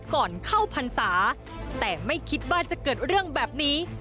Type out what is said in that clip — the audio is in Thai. ก่อนเข้าพรรษาแต่ไม่คิดว่าจะเกิดเรื่องแบบนี้